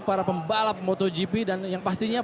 para pembalap motogp dan yang pastinya